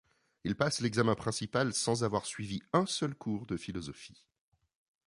Il passe l'examen principal sans avoir suivi un seul cours de philosophie.